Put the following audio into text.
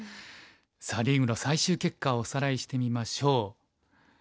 さあリーグの最終結果をおさらいしてみましょう。